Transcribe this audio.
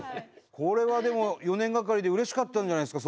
これはでも４年がかりでうれしかったんじゃないですか？